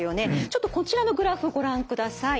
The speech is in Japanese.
ちょっとこちらのグラフご覧ください。